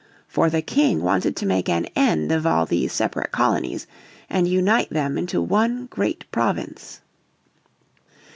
For the King wanted to make an end of all these separate colonies and unite them into one great province.